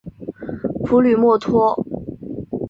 普吕默托。